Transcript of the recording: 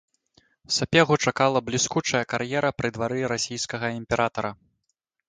Сапегу чакала бліскучая кар'ера пры двары расійскага імператара.